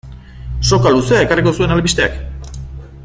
Soka luzea ekarriko zuen albisteak.